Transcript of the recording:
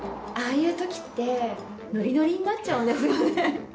ああいう時ってノリノリになっちゃうんですよね。